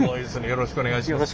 よろしくお願いします。